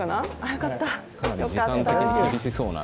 よかった